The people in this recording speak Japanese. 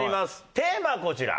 テーマこちら。